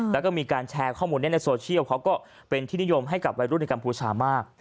แล้วก็มีการแชร์ข้อมูลนี้ในโซเชียลเขาก็เป็นที่นิยมให้กับวัยรุ่นในกัมพูชามาก